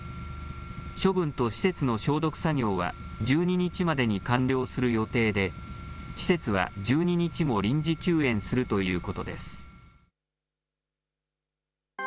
処分と施設の消毒作業は１２日までに完了する予定で、施設は１２日も臨時休園するということです。